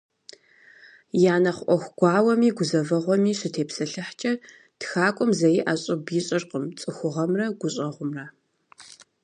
Я нэхъ ӏуэху гуауэми гузэвэгъуэми щытепсэлъыхькӏэ, тхакӏуэм зэи ӏэщӏыб ищӏыркъым цӏыхугъэмрэ гущӏэгъумрэ.